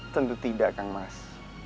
tentu tidak kang mas